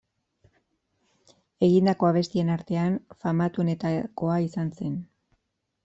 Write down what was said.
Egindako abestien artean famatuenetakoa izan zen.